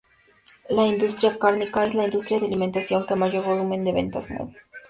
La industria cárnica es la industria de alimentación que mayor volumen de ventas mueve.